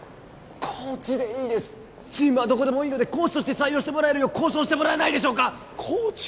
コーチでいいですチームはどこでもいいのでコーチとして採用してもらえるよう交渉してもらえないでしょうかコーチ？